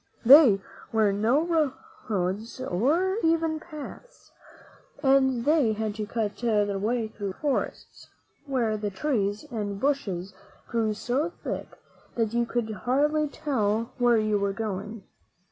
There were no roads or even paths, and they had to cut their way through great forests, where the trees and bushes grew so thick that you could hardly tell where you were going.